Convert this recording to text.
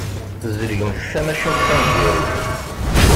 Tzeglemt tamacint taneggarut.